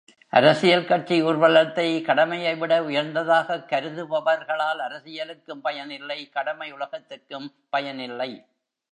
அரசியல் கட்சி ஊர்வலத்தை, கடமையை விட உயர்ந்ததாகக் கருதுபவர்களால் அரசியலுக்கும் பயன் இல்லை கடமை உலகத்துக்கும் பயன் இல்லை.